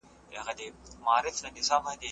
عبدالظاهر څرک عبدالجبار مشفق